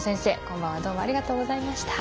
今晩はどうもありがとうございました。